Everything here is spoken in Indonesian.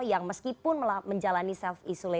yang meskipun menjalani self isolate